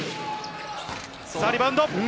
リバウンド。